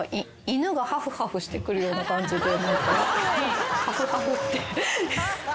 犬がハフハフしてくるような感じで。